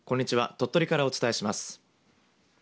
鳥取からお伝えします。